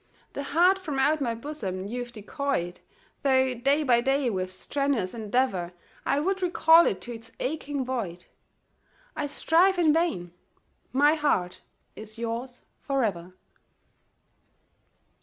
The heart from out my bosom you've decoyed, Though day by day with strenuous endeavour I would recall it to its aching void. I strive in vain my heart is yours for ever.